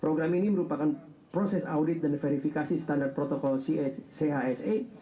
program ini merupakan proses audit dan verifikasi standar protokol chse